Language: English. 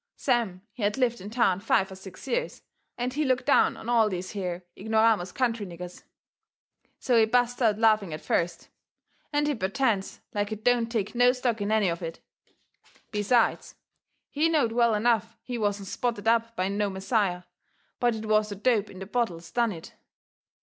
Sam, he had lived in town five or six years, and he looked down on all these here ignoramus country niggers. So he busts out laughing at first, and he pertends like he don't take no stock in any of it. Besides, he knowed well enough he wasn't spotted up by no Messiah, but it was the dope in the bottles done it.